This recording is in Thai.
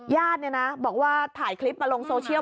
ญาติบอกว่าถ่ายคลิปมาลงโซเชียล